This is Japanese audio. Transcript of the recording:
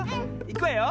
いくわよ。